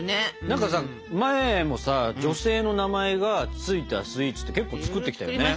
何かさ前もさ女性の名前が付いたスイーツって結構作ってきたよね？